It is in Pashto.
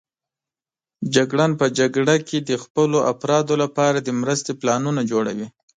جګړن په جګړه کې د خپلو افرادو لپاره د مرستې پلانونه جوړوي.